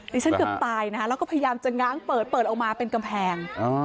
ฉันเกือบตายนะคะแล้วก็พยายามจะง้างเปิดเปิดออกมาเป็นกำแพง